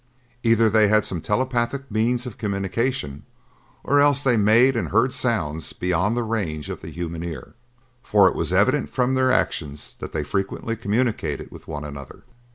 Either they had some telepathic means of communication or else they made and heard sounds beyond the range of the human ear, for it was evident from their actions that they frequently communicated with one another.